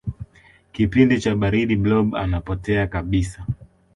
kipindi cha baridi blob anapotea kabisa